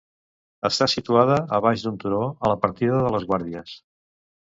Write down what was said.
"Està situada a baix d'un turó, a la partida de ""Les Guàrdies""."